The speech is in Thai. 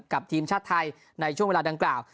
กับทีมชาติไทยในช่วงเวลาดังกล่าว